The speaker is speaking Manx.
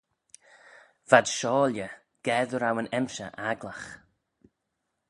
V'ad shiaulley ga dy row yn emshir agglagh.